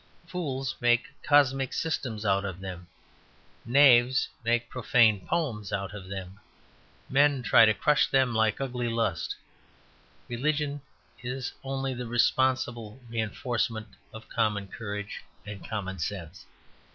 Fools make cosmic systems out of them; knaves make profane poems out of them; men try to crush them like an ugly lust. Religion is only the responsible reinforcement of common courage and common sense.